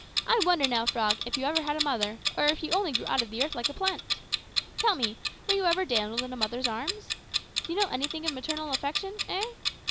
I wonder, now, Frog, if you ever had a mother, or if you only grew out of the earth like a plant. Tell me, were you ever dandled in a mother's arms? Do you know anything of maternal affection, eh?